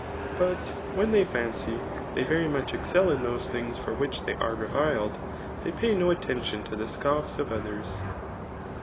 But when they fancy they very much excel in those things for which they are reviled, they pay no attention to the scoffs of others.